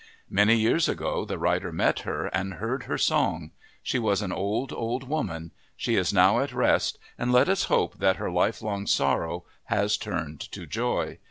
" Many years ago the writer met her and heard her song ; she was an old, old woman ; she is now at rest and let us hope that her lifelong sorrow has turned to joy.